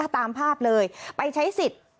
ตามภาพเลยไปใช้สิทธิ์